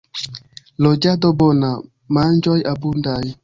Loĝado bona, manĝoj abundaj.